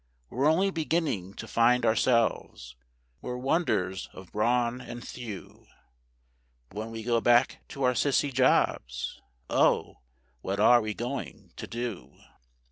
We're only beginning to find ourselves; we're wonders of brawn and thew; But when we go back to our Sissy jobs, oh, what are we going to do?